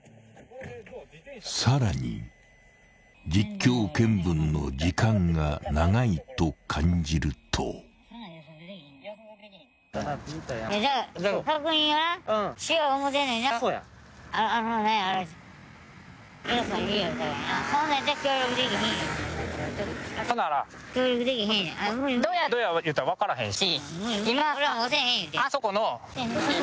［さらに実況見分の時間が長いと感じると］言ったら分からへんし。